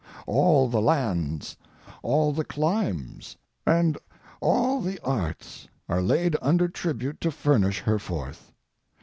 All the lands, all the climes, and all the arts are laid under tribute to furnish her forth.